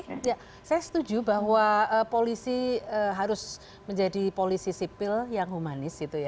saya setuju bahwa polisi harus menjadi polisi sipil yang humanis gitu ya